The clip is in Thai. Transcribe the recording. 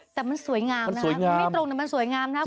แต่มันสวยงามนะคะมันไม่ตรงแต่มันสวยงามนะครับ